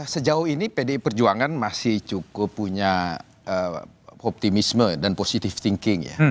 sejauh ini pdi perjuangan masih cukup punya optimisme dan positive thinking ya